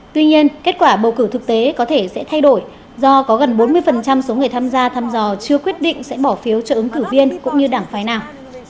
tuy nhiên kết quả bầu cử thực tế có thể sẽ thay đổi do có gần bốn mươi số người tham gia thăm dò chưa quyết định sẽ bỏ phiếu cho ứng cử viên cũng như đảng phái nào